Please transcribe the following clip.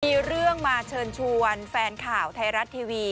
มีเรื่องมาเชิญชวนแฟนข่าวไทยรัฐทีวี